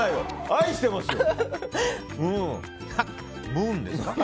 愛してますよ。